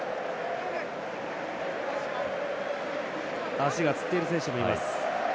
足がつっている選手もいます。